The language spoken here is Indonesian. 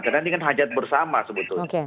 karena ini kan hajat bersama sebetulnya